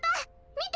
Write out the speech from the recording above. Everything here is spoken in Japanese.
見て！